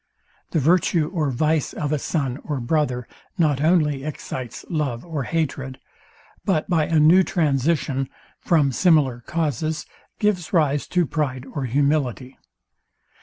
The virtue or vice of a son or brother not only excites love or hatred, but by a new transition, from similar causes, gives rise to pride or humility.